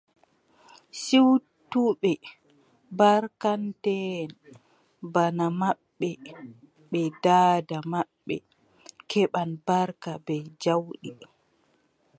Siwtuɓe barkanteʼen, baaba maɓɓe bee daada maɓɓe keɓan barka bee jawdi.